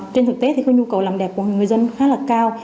trên thực tế thì có nhu cầu làm đẹp của người dân khá là cao